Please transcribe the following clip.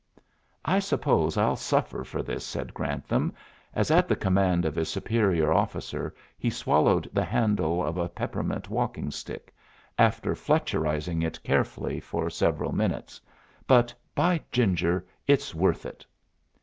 "I suppose I'll suffer for this," said Grantham, as at the command of his superior officer he swallowed the handle of a peppermint walking stick, after fletcherizing it carefully for several minutes, "but, by ginger, it's worth it."